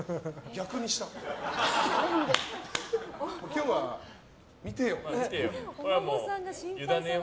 今日は見てよう。